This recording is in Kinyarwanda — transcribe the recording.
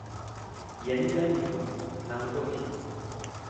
ya nyirankima na ngohe,